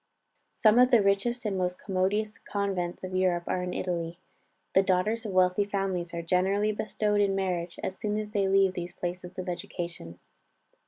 Some of the richest and most commodious convents of Europe are in Italy. The daughters of wealthy families are generally bestowed in marriage as soon as they leave these places of education.